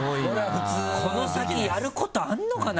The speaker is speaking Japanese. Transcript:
この先やることあるのかな？